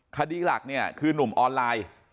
คดีหลักเนี่ยคือนุ่มออนไลน์